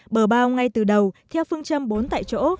bờ bao ngay từ đầu theo phương châm bốn tại chỗ